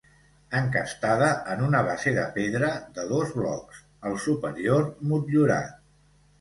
Encastada en una base de pedra de dos blocs, el superior motllurat.